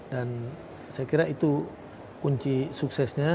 dan saya kira itu kunci suksesnya